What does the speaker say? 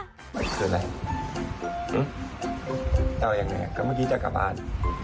คืออะไรเอาอย่างนี้ก็เมื่อกี้จะกลับบ้าน